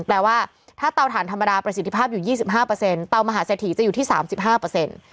แปลว่าถ้าเตาถ่านธรรมดาประสิทธิภาพอยู่๒๕เตามหาเศรษฐีจะอยู่ที่๓๕เปอร์เซ็นต์